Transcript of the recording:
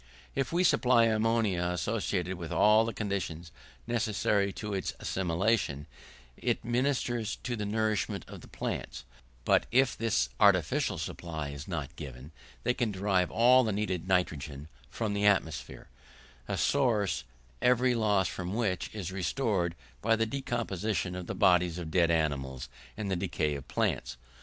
If we supply ammonia associated with all the conditions necessary to its assimilation, it ministers to the nourishment of the plants; but if this artificial supply is not given they can derive all the needed nitrogen from the atmosphere a source, every loss from which is restored by the decomposition of the bodies of dead animals and the decay of plants.